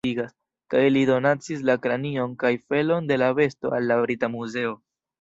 Kaj li donacis la kranion kaj felon de la besto al la Brita Muzeo.